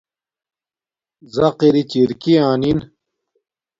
زق اری چِرکی آنن